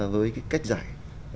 với cái cách giải